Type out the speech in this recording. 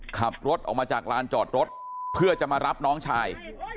ขับรถออกมาจากลานจอดรถเพื่อจะมารับน้องชาย